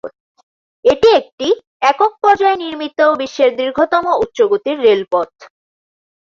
এটি একটি একক পর্যায়ে নির্মিত বিশ্বের দীর্ঘতম উচ্চ গতির রেলপথ।